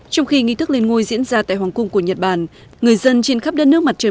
trong khi nghi thức lên ngôi diễn ra tại hoàng cung của nhật bản người dân trên khắp đất nước mặt trời